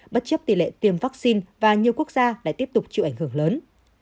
bất chấp tỷ lệ tiêm vaccine và nhiều quốc gia lại tiếp tục chịu ảnh hưởng lớn